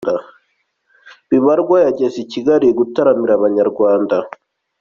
Bibarwa yageze ikigali gutaramira Abanyarwanda